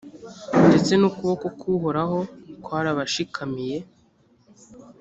ndetse n’ukuboko k’uhoraho kwarabashikamiye